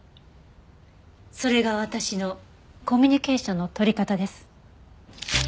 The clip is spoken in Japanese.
それが私のコミュニケーションの取り方です。